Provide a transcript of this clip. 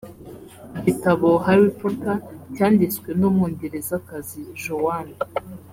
Igitabo Harry Potter cyanditswe n’Umwongerezakazi Joanne